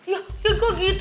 ya ya kok gitu